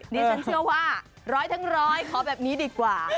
ดิฉันเชื่อว่าร้อยทั้งร้อยขอแบบนี้ดีกว่า